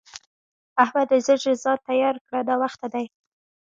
احمده! ژر ژر ځان تيار کړه؛ ناوخته دی.